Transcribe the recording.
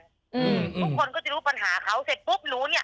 ทุกคนก็จะรู้ปัญหาเขาเสร็จปุ๊บ